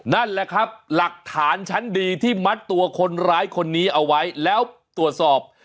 นั่นแหละครับหลักฐานชั้นดีที่มัดตัวคนร้ายคนนี้เอาไว้แล้วตรวจสอบ